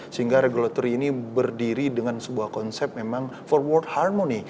sehingga regulatory ini berdiri dengan sebuah konsep memang forward harmony